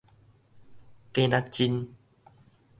假若真